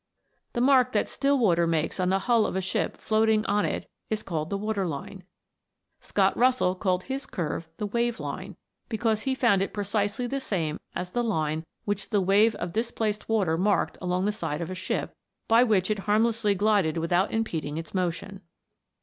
The mark that still water makes on the hull of a ship floating on it is called the water line. Scott Russell called his curve the wave line, because he found it precisely the same as the line which the wave of displaced water marked along the side of the ship, by which it harmlessly glided without impeding its motion.